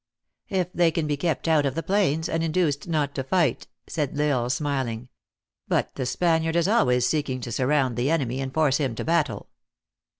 " If they can be kept out of the plains, and induced not to fight," said L Isle, smiling. " But the Spaniard is always seeking to surround the enemy, and force him to battle."